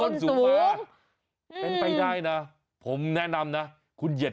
นี้นี่นี่